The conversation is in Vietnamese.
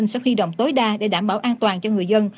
sẽ huy động tối đa để đảm bảo an toàn cho người dân